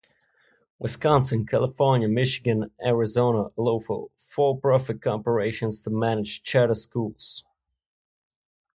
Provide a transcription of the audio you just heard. Wisconsin, California, Michigan, and Arizona allow for-profit corporations to manage charter schools.